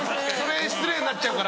失礼になっちゃうから。